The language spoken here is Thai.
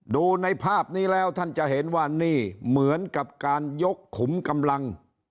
ดูในภาพนี้แล้วท่านจะเห็นว่านี่เหมือนกับการยกขุมกำลัง